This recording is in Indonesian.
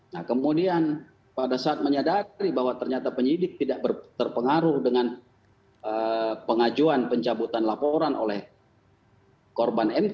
nah kemudian pada saat menyadari bahwa ternyata penyidik tidak terpengaruh dengan pengajuan pencabutan laporan oleh korban mk